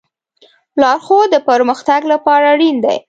لارښود د پرمختګ لپاره اړین دی.